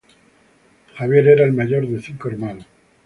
Xavier era el mayor de cinco hermanos.